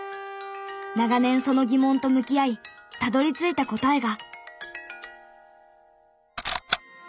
長年その疑問と向き合いたどり着いた答えが。